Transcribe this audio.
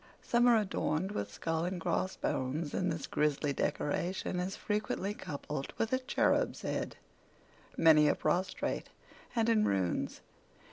Some are adorned with skull and cross bones, and this grizzly decoration is frequently coupled with a cherub's head. Many are prostrate and in ruins.